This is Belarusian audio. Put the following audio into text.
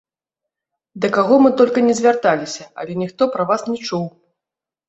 Да каго мы толькі ні звярталіся, але ніхто пра вас не чуў.